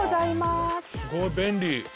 すごい便利！